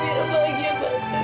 biar bahagia banget